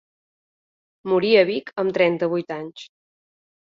Morí a Vic, amb trenta-vuit anys.